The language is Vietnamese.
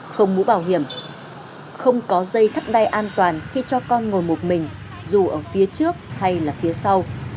không mũ bảo hiểm không có dây thắt đai an toàn khi cho con ngồi một mình dù ở phía trước hay là phía sau